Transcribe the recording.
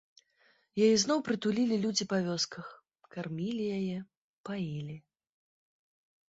Яе зноў прытулілі людзі па вёсках, кармілі яе, паілі.